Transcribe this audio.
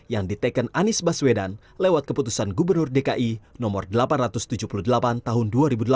yang diteken anies baswedan lewat keputusan gubernur dki nomor delapan ratus tujuh puluh delapan tahun dua ribu delapan belas